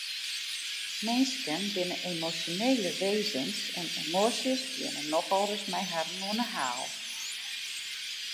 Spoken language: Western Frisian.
Minsken binne emosjonele wêzens en emoasjes geane nochal ris mei harren oan 'e haal.